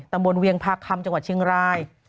ตำบลเวียงพราคคำจังหวัดเชียงไลน์